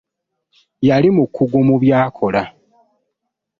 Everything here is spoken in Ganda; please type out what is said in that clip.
Yali mukugu mu by'akola.